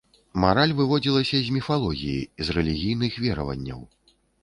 Мараль выводзілася з міфалогіі, з рэлігійных вераванняў.